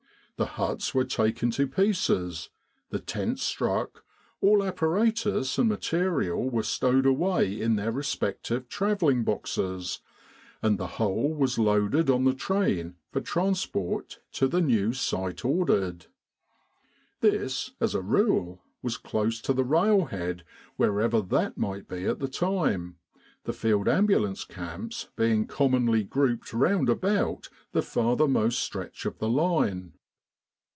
The huts were taken to pieces, the tents struck, all apparatus and material were stowed away in their respective travelling boxes, and the whole was loaded on the train for transport to the new site ordered. This, as a rule, was close to the railhead wherever that might be at the time, the Field Ambulance camps being commonly grouped round about the farthermost stretch of the line.